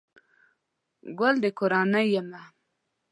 گل دکورنۍ يمه